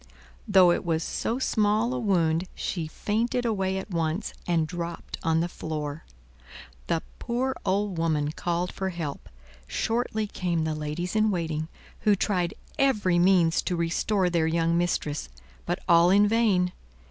Though it was so small a wound, she fainted away at once and dropped on the floor. The poor old woman called for help; shortly came the ladies in waiting, who tried every means to restore their young mistress; but all in vain.